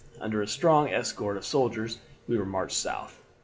Under a strong escort of soldiers we were marched south.